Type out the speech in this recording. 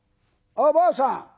ばあさん